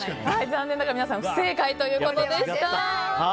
残念ながら皆さん不正解ということでした。